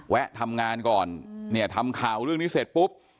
แวะทำงานก่อนทำข่าวเรื่องนี้เสร็จปุ๊บ